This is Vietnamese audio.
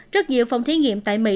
rất nhiều phòng thí nghiệm tại mỹ